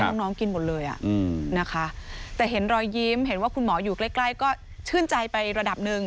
น้องน้องกินหมดเลยอ่ะนะคะแต่เห็นรอยยิ้มเห็นว่าคุณหมออยู่ใกล้ใกล้ก็ชื่นใจไประดับหนึ่ง